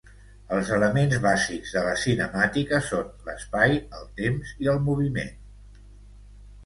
Els elements bàsics de la cinemàtica són: l'espai, el temps i el moviment.